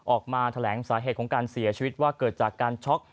ออกมาแถลงสาเหตุของการเสียชีวิตว่าเกิดจากการช็อก